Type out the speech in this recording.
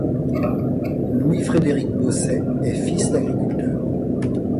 Louis-Frédéric Bosset est fils d’agriculteur.